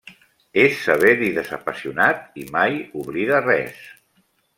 És sever i desapassionat, i mai oblida res.